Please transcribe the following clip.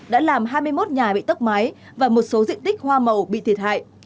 đã làm hai mươi một nhà bị tốc mái và một số diện tích hoa màu bị thiệt hại